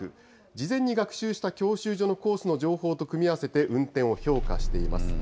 事前に学習した教習所のコースの情報と組み合わせて運転を評価しています。